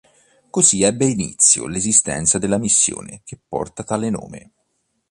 Così ebbe inizio l'esistenza della missione che porta tale nome.